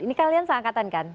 ini kalian seangkatan kan